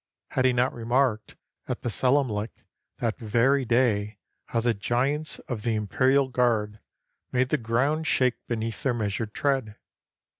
Had he not remarked at the selamlik that very day how the giants of the Imperial Guard made the ground shake beneath their measured tread